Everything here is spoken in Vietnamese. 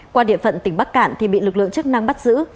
qua địa phận tỉnh bắc cạn thì bị lực lượng chức năng bắt giữ